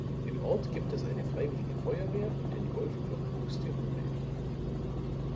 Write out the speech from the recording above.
Im Ort gibt es eine Freiwillige Feuerwehr und den Golf-Club Buxtehude.